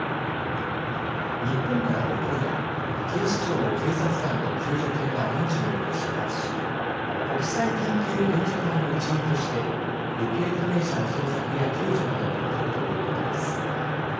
日本からも今夜警視庁の警察官と救助犬が現地に向け出発し国際緊急援助隊の一員として行方不明者の捜索や救助などに当たるということです。